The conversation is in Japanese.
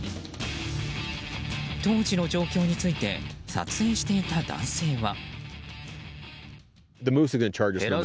当時の状況について撮影していた男性は。